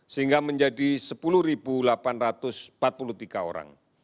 sehingga menjadi sepuluh delapan ratus empat puluh tiga orang